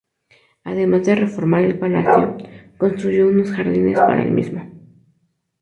Además de reformar el palacio, construyó unos jardines para el mismo.